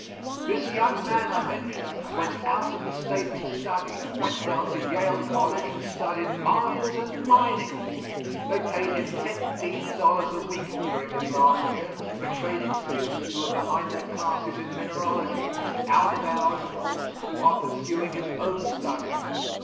This young man I mention went out of the State to study went down to Yale College and studied Mines and Mining. They paid him fifteen dollars a week during his last year for training students who were behind their classes in mineralogy, out of hours, of course, while pursuing his own studies.